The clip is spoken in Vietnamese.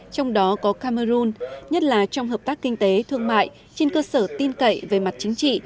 trong đó có cameroon nhất là trong hợp tác kinh tế thương mại trên cơ sở tin cậy về mặt chính trị